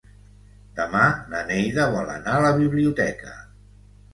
Demà na Neida vol anar a la biblioteca.